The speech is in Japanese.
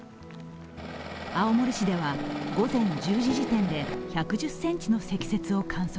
青森市では午前１０時時点で１１０ｃｍの積雪を観測。